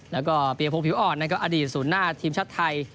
แล้วก็เปลี่ยงโพงผิวอ้อนนั่นก็อดีตศูนย์หน้าทีมชาติไทย